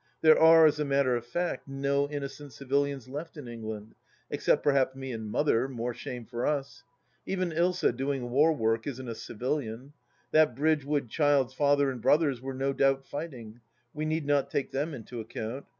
There are, as a matter of fact, no innocent civilians left in England, except perhaps me and Mother, more shame for us ! Even Ilsa, doing war work, isn't a civilian. That Bridgewood child's father and brothers were no doubt fighting : we need not take them in to account.